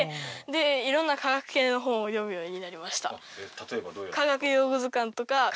例えば？